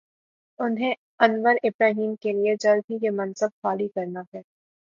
انہیں Anwar Ibrahim کے لیے جلد ہی یہ منصب خالی کر نا ہے۔